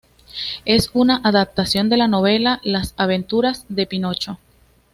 Es una adaptación de la novela Las aventuras de Pinocho.